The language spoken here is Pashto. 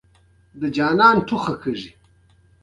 تالابونه د افغان ځوانانو لپاره دلچسپي لري.